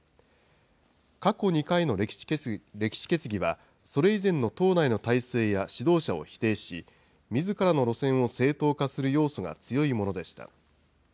過去２回の歴史決議は、それ以前の党内の体制や、指導者を否定し、みずからの路線を正当化する要素が強いものでした。